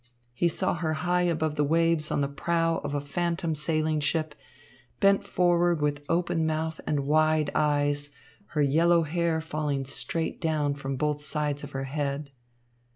He saw her high above the waves on the prow of a phantom sailing ship, bent forward with open mouth and wide eyes, her yellow hair falling straight down from both sides of her head.